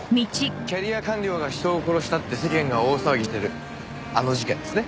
キャリア官僚が人を殺したって世間が大騒ぎしてるあの事件ですね？